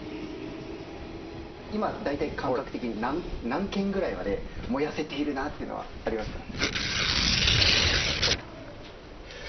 今大体感覚的に何県まで燃やせているというのはありますか？